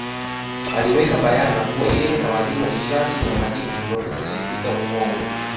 Aliweka bayana kuwa yeye na Waziri wa nishati na Madini Profesa Sospeter Muhongo